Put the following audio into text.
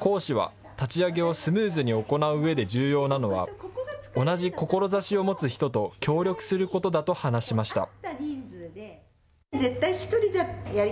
講師は立ち上げをスムーズに行ううえで重要なのは同じ志を持つ人と協力することだと話しました。